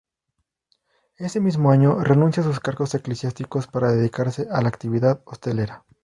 Ese mismo año renuncia a sus cargos eclesiásticos para dedicarse a la actividad hostelera.